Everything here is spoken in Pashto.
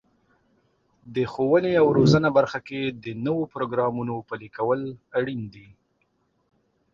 د ښوونې او روزنې برخه کې د نوو پروګرامونو پلي کول اړین دي.